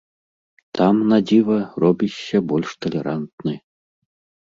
Там, на дзіва, робішся больш талерантны.